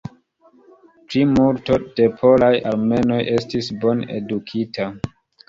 Plimulto de polaj armenoj estis bone edukita.